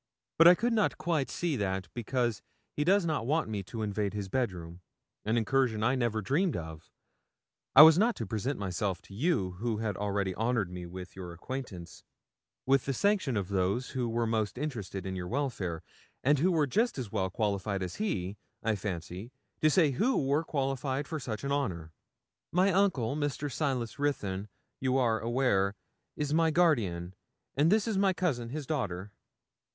But I could not quite see that because he does not want me to invade his bed room an incursion I never dreamed of I was not to present myself to you, who had already honoured me with your acquaintance, with the sanction of those who were most interested in your welfare, and who were just as well qualified as he, I fancy, to say who were qualified for such an honour.' 'My uncle, Mr. Silas Ruthyn, you are aware, is my guardian; and this is my cousin, his daughter.'